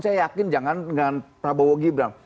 saya yakin jangan dengan prabowo gibran